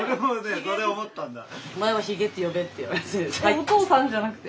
「お父さん」じゃなくて？